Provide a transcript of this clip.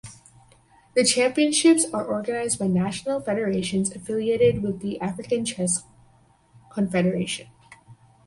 The championships are organized by national federations affiliated with the African Chess Confederation.